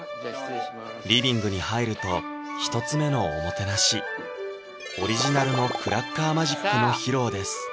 リビングに入ると１つ目のおもてなしオリジナルのクラッカーマジックの披露です